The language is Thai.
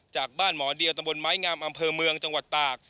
จากบ้านหมเดียตไม้งามอำเภอเมืองจตาก